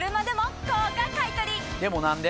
でも何で？